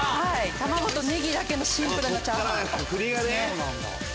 卵とネギだけのシンプルなチャーハン。